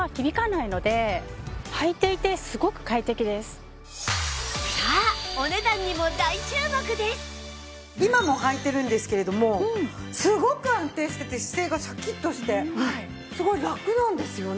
さらにさあ今もはいてるんですけれどもすごく安定してて姿勢がシャキッとしてすごいラクなんですよね。